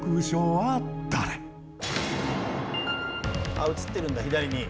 あっ映ってるんだ左に。